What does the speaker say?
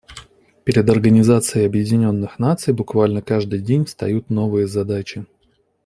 Перед Организацией Объединенных Наций буквально каждый день встают новые задачи.